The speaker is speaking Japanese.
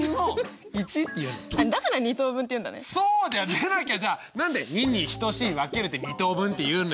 でなきゃじゃあ何で「２」に「等しい」「分ける」で２等分っていうんだよ。